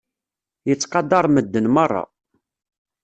Yettqadaṛ medden meṛṛa.